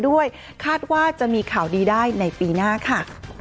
ด้วยคาดว่าจะมีข่าวดีได้ในปีหน้าค่ะ